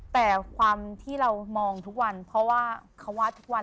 แต่ความที่เรามองทุกวันเพราะว่าเขาวาดทุกวัน